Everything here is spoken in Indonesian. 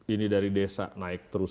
ini dari desa naik terus